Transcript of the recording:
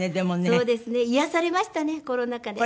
そうですね癒やされましたねコロナ禍で。